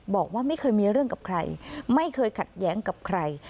บอกว่าไม่เคยมีเรื่องกับใครไม่เคยขัดแย้งกับใคร